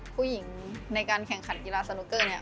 ผู้หญิงในการแข่งขันกีฬาสนุกเกอร์เนี่ย